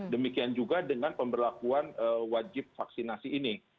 demikian juga dengan pemberlakuan wajib vaksinasi ini